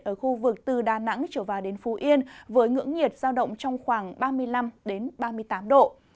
ở khu vực từ đà nẵng trở vào đến phú yên với ngưỡng nhiệt giao động trong khoảng ba mươi năm ba mươi tám độ